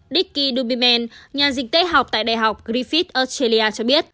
dickie dubiman nhà dịch tế học tại đại học griffith australia cho biết